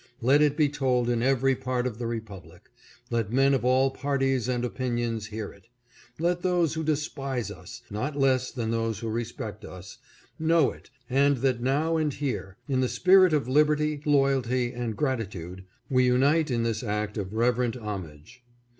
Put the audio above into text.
Let it be told in every part of the Republic. Let men of all parties and opinions hear it. Let those who despise us, not less than those who respect us, know it and that now and here, in the spirit of liberty, loyalty and gratitude, we unite in this act of reverent homage.